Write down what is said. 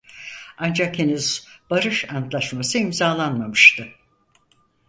Ancak henüz barış antlaşması imzalanmamıştı.